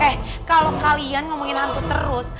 eh kalau kalian ngomongin hantu terus